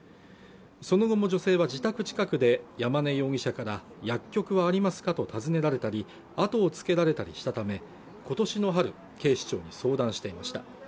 その後も女性は自宅近くで山根容疑者から薬局はありますかと尋ねられたりあとをつけられたりしたため今年の春、警視庁に相談していました